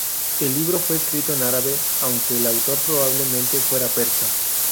El libro fue escrito en árabe, aunque el autor probablemente fuera persa.